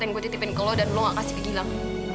yang gue titipin ke lo dan lo gak kasih ke gilang